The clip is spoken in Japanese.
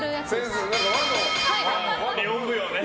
日本舞踊。